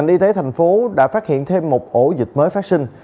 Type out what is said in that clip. y tế thành phố đã phát hiện thêm một ổ dịch mới phát sinh